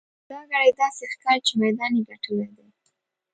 دا ګړی داسې ښکاري چې میدان یې ګټلی دی.